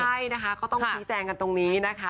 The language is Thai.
ใช่นะคะก็ต้องชี้แจงกันตรงนี้นะคะ